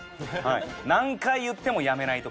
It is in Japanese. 何回言ってもやめない時。